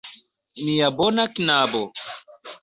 Mia bona "knabo"!